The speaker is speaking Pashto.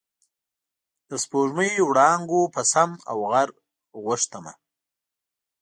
د سپوږمۍ وړانګو په سم او غر غوښتمه